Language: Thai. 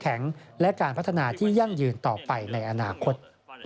ไปสู่ความเข้มแข็งและการพัฒนาที่ยั่งยืนต่อไปในอนาคต